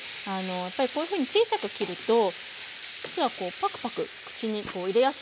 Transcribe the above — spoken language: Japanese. やっぱりこういうふうに小さく切ると実はパクパク口に入れやすいんですよ。